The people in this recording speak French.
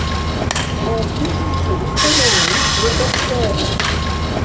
Un physicien renommé, le Dr.